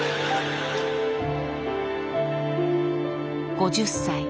５０歳。